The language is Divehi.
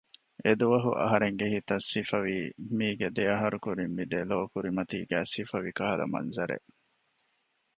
އެދުވަހު އަހަރެންގެ ހިތަށް ސިފަވީ މީގެ ދެ އަހަރު ކުރިން މި ދެލޯ ކުރިމަތީގައި ސިފަވި ކަހަލަ މަންޒަރެއް